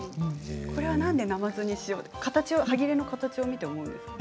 なんで、なまずにしようと？はぎれの形を見て思うんですか？